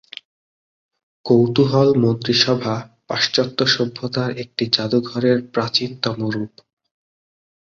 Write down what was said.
কৌতূহল মন্ত্রিসভা পাশ্চাত্য সভ্যতার একটি জাদুঘরের প্রাচীনতম রূপ।